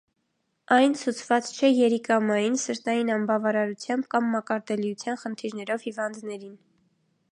Այն ցուցված չէ երիկամային, սրտային անբավարարությամբ կամ մակարդելիության խնդիրներով հիվանդներին։